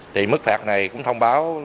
thì mức phạt này cũng thông báo